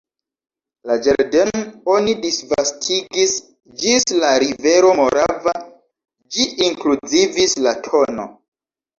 La ĝardenon oni disvastigis ĝis la rivero Morava: ĝi inkluzivis la tn.